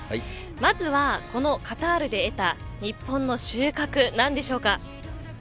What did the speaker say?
まずは、このカタールで得た日本の収穫は何でしょうか。